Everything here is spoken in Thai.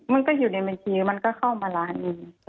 มันก็อยู่ในเมืองเทียวมันก็เข้ามาหลังนี้